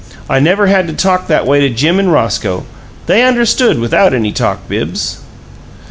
I never had to talk that way to Jim and Roscoe. They understood without any talk, Bibbs."